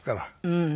うん。